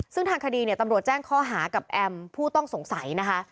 ซึ่งทางคดีเนี่ยตำรวจแจ้งข้อหากับแอมผู้ต้องสงสัยนะคะ